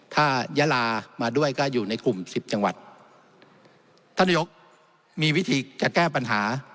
ถ้ายาลามาด้วยก็อยู่ในกลุ่มสิบจังหวัดท่านนายกมีวิธีจะแก้ปัญหา